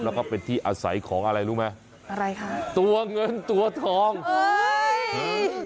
แล้วก็เป็นที่อาศัยของอะไรรู้ไหมอะไรคะตัวเงินตัวทองเฮ้ยเฮ้ย